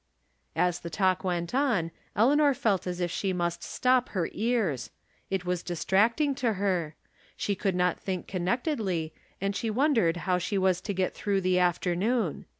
As the talk went on Eleanor felt as if she must stop her ears ; it was distracting to her ; she could not think connectedly, and she wondered how she was to get through the afternoon.